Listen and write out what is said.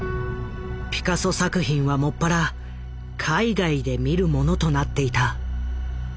ピカソ作品は専ら海外で見るものとなっていた。